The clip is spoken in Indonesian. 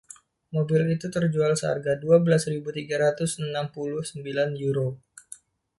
Mobil itu terjual seharga dua belas ribu tiga ratus enam puluh sembilan Euro.